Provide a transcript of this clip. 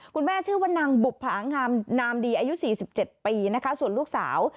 คุณแม่ชื่อว่านางบุบผางนามดีอายุสี่สิบเจ็ดปีนะคะส่วนลูกสาว